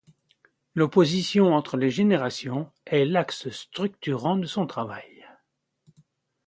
L’opposition entre les générations est l’axe structurant de son travail.